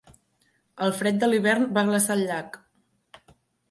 El fred de l'hivern va glaçar el llac.